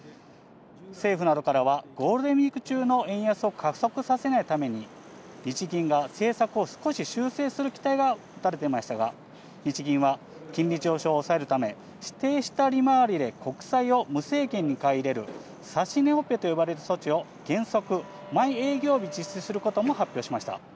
政府などからは、ゴールデンウィーク中の円安を加速させないために、日銀は政策を少し修正する期待が持たれていましたが、日銀は、金利上昇を抑えるため、指定した利回りで国債を無制限に買い入れる指し値オペと呼ばれる措置を原則、毎営業日実施することも発表しました。